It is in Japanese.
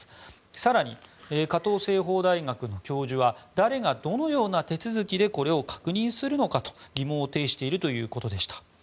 更に、華東政法大学の教授は誰がどのような手続きでこれを確認するのかと疑問を呈しているということでした。